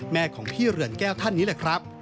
ของพี่เรือนแก้วท่านนี้แหละครับ